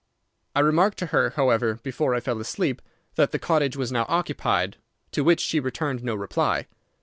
I remarked to her, however, before I fell asleep, that the cottage was now occupied, to which she returned no reply.